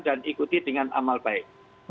dan ikuti dengan amal baik